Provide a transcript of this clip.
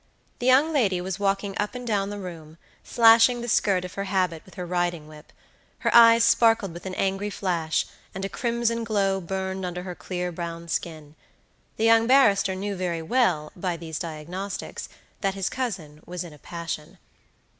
The young lady was walking up and down the room, slashing the skirt of her habit with her riding whip. Her eyes sparkled with an angry flash, and a crimson glow burned under her clear brown skin. The young barrister knew very well, by these diagnostics, that his cousin was in a passion.